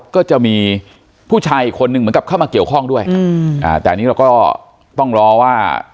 ก็จะมีผู้ชายอีกคนนึงเหมือนกับเข้ามาเกี่ยวข้องด้วยอืมอ่าแต่อันนี้เราก็ต้องรอว่า